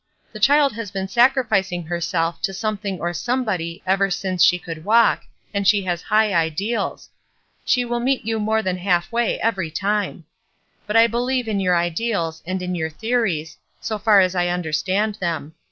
The child has been sacrificing herself to something or somebody ever since she could walk, and she has high ideals. She will meet you more than half way every time. But I believe in your ideals, and in your theories, so far as I understand them.